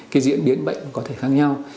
cái diễn biến bệnh có thể khác nhau